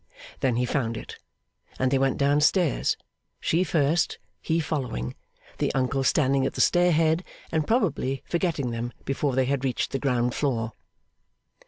Then he found it, and they went down stairs; she first, he following; the uncle standing at the stair head, and probably forgetting them before they had reached the ground floor.